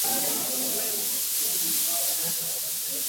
kwa chama cha huko Marondera